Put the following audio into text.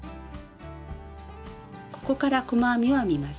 ここから細編みを編みます。